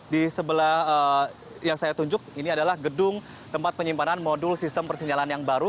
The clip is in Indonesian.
di sebelah yang saya tunjuk ini adalah gedung tempat penyimpanan modul sistem persinyalan yang baru